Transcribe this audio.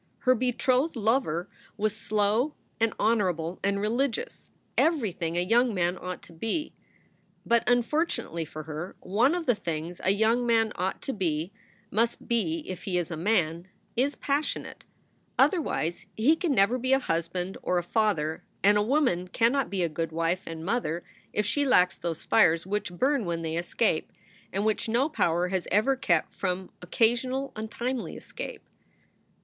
Her betrothed lover was slow and honorable and religious, everything a young man ought to be. But, unfortunately for her, one of the things a young man ought to be, must be if he is a man, is passionate; other wise he can never be a husband or a father; and a woman cannot be a good wife and mother if she lacks those fires which burn when they escape and which no power has ever kept from occasional untimely escape.